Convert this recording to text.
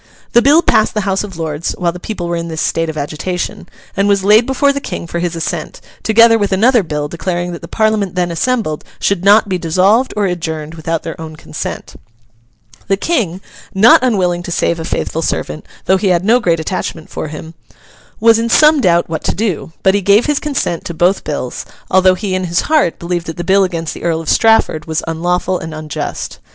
The bill passed the House of Lords while the people were in this state of agitation, and was laid before the King for his assent, together with another bill declaring that the Parliament then assembled should not be dissolved or adjourned without their own consent. The King—not unwilling to save a faithful servant, though he had no great attachment for him—was in some doubt what to do; but he gave his consent to both bills, although he in his heart believed that the bill against the Earl of Strafford was unlawful and unjust.